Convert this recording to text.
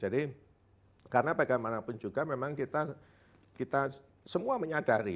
jadi karena bagaimanapun juga memang kita semua menyadari